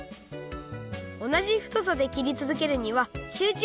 おなじふとさできりつづけるにはしゅうちゅ